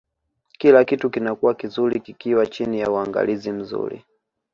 kila kitu kinakuwa vizuri kikiwa chini ya uangalizi mzuri